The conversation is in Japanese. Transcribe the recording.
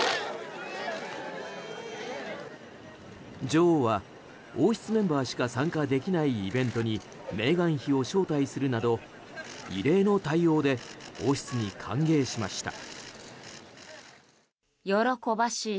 女王は、王室メンバーしか参加できないイベントにメーガン妃を招待するなど異例の対応で王室に歓迎しました。